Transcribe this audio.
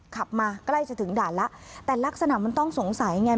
ขับมาใกล้จะถึงด่านแล้วแต่ลักษณะมันต้องสงสัยไง